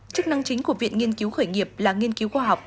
chức năng chính của viện nghiên cứu khởi nghiệp là nghiên cứu khoa học